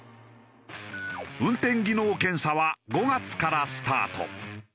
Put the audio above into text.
運転技能検査は５月からスタート。